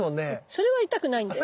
それは痛くないんだよ。